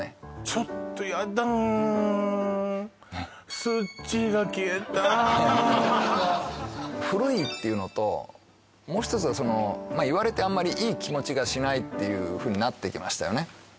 ちょっとやだ「スッチー」が消えた古いっていうのともう一つはその言われてあんまりいい気持ちがしないっていうふうになってきましたよね